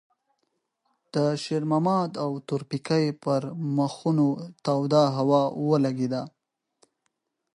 د شېرمحمد او تورپيکۍ پر مخونو توده هوا ولګېده.